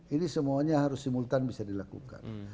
ini semuanya harus simultan bisa dilakukan